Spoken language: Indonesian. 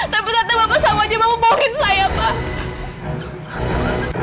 tapi ternyata bapak sama aja mau bohongin saya pak